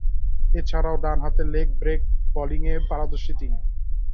এছাড়াও, ডানহাতে leg break বোলিংয়ে পারদর্শী তিনি।